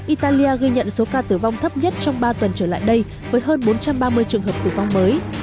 italia ghi nhận số ca tử vong thấp nhất trong ba tuần trở lại đây với hơn bốn trăm ba mươi trường hợp tử vong mới